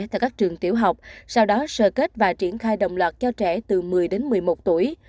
tại các trường tiểu học sau đó sơ kết và triển khai đồng loạt cho trẻ từ một mươi đến một mươi một tuổi